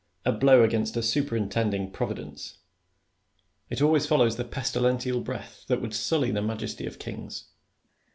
— a blow against a superintending Providence 1 It always follows the pestilential breath that would sully the majesty of kings.